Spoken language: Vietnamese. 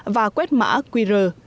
và quét mã qr